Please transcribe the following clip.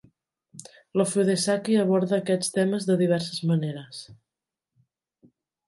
L'ofudesaki aborda aquests temes de diverses maneres.